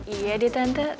iya deh tante